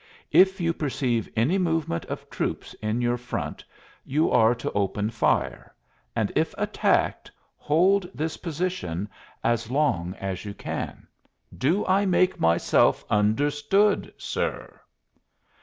If you perceive any movement of troops in your front you are to open fire, and if attacked hold this position as long as you can. Do I make myself understood, sir?"